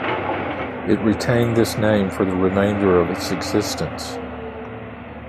It retained this name for the remainder of its existence.